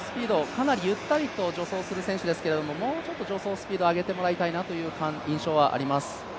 かなりゆったりと助走をする選手ですけどもうちょっと助走スピードを上げてもらいたいという印象はあります。